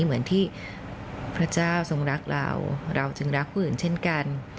เหมือนที่พระเจ้าทรงรักเราเราจึงรักผู้อื่นเช่นกัน